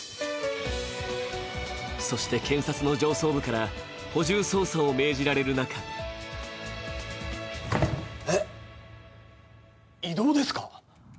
そして検察の上層部から補充捜査を命じられる中えっ、異動ですか？